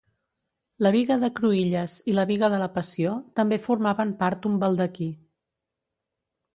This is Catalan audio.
La biga de Cruïlles i la Biga de la Passió també formaven part un baldaquí.